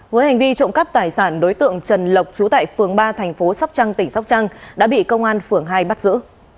với hành vi trộm cắp tài sản đối tượng trần lộc trú tại phường ba thành phố sóc trăng tỉnh sóc trăng đã bị công an phường hai bắt giữ